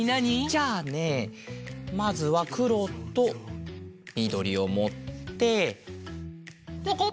じゃあねまずはくろとみどりをもってぽこ！